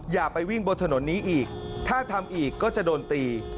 อย่าไปวิ่งบนถนนนี้อีกถ้าทำอีกก็จะโดนตี